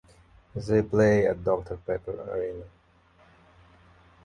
They play at Doctor Pepper Arena.